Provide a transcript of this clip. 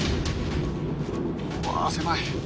うわ狭い。